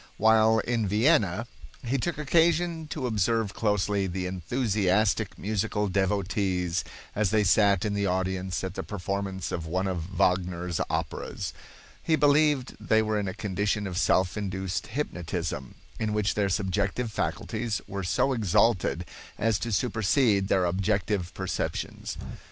While in Vienna he took occasion to observe closely the enthusiastic musical devotees as they sat in the audience at the performance of one of Wagner's operas. He believed they were in a condition of self induced hypnotism, in which their subjective faculties were so exalted as to supersede their objective perceptions.